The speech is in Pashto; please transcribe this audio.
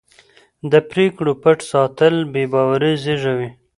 د پرېکړو پټ ساتل بې باوري زېږوي